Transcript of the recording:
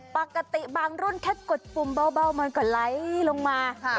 ปกติบางรุ่นแค่กดปุ่มเบามันก็ไหลลงมา